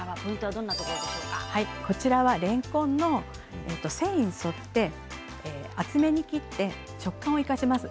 れんこんの繊維に沿って厚めに切って食感を生かします。